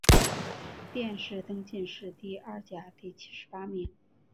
殿试登进士第二甲第七十八名。